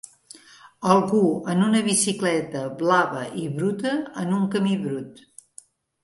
Algú en una bicicleta blava i bruta en un camí brut.